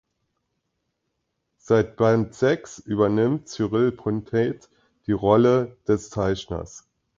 Seit Band sechs übernimmt Cyril Pontet die Rolle des Zeichners.